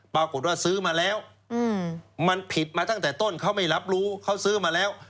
ปรากฏว่าซื้อมาแล้วมันผิดมาตั้งแต่ต้นเขาไม่รับรู้เขาซื้อมาแล้ว